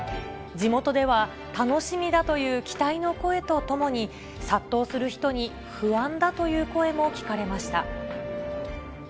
地元では楽しみだという期待の声とともに、殺到する人に不安だという声も聞かれました。